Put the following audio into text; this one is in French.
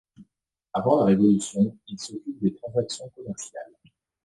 Avant la Révolution, il s'occupe de transactions commerciales.